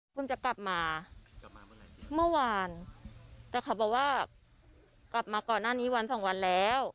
คุณจะกลับมาเมื่อวานแต่เขาบอกว่ากลับมาก่อนหน้านี้วันสองวันแล้ว